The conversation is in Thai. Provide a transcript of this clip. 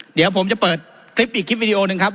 เดี๋ยวผมจะเปิดคลิปอีกคลิปวิดีโอหนึ่งครับ